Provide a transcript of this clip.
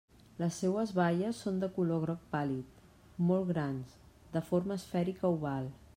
Les seues baies són de color groc pàl·lid, molt grans, de forma esfèrica oval.